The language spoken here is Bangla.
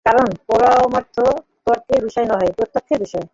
কারণ পরমার্থতত্ত্ব তর্কের বিষয় নহে, প্রত্যক্ষের বিষয়।